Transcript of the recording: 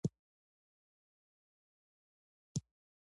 ماشومان د مېلو له پاره خاص وسایل غواړي.